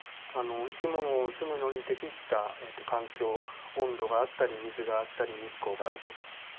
生き物が住むのに適した環境温度があったり水があったり日光があると。